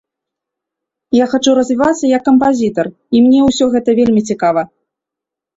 Я хачу развівацца як кампазітар, і мне ўсё гэта вельмі цікава.